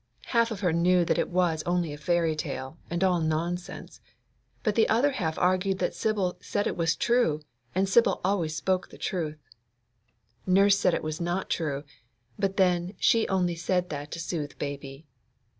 Half of her knew that it was only a fairy tale, and all nonsense, but the other half argued that Sibyl said it was true, and Sibyl always spoke the truth. Nurse said it was not true, but then she only said that to soothe Baby.